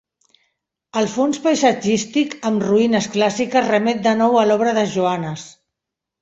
El fons paisatgístic amb ruïnes clàssiques remet de nou a l'obra de Joanes.